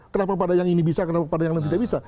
kenapa pada yang ini bisa kenapa pada yang lain tidak bisa